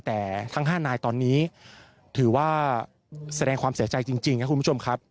แต่ทั้ง๕นายตอนนี้ถือว่าแสดงความเสียใจจริงครับคุณผู้ชมครับ